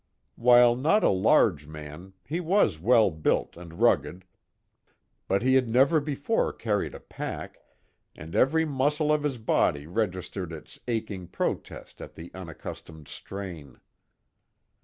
While not a large man, he was well built and rugged, but he had never before carried a pack, and every muscle of his body registered its aching protest at the unaccustomed strain.